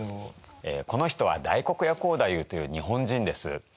この人は大黒屋光太夫という日本人です。